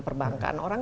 jika saya cakap dengan